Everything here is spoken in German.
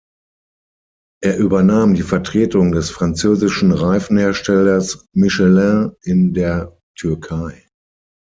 Er übernahm die Vertretung des französischen Reifenherstellers Michelin in der Türkei.